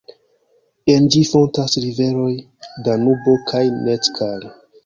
En ĝi fontas riveroj Danubo kaj Neckar.